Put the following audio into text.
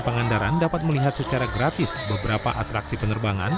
pangandaran dapat melihat secara gratis beberapa atraksi penerbangan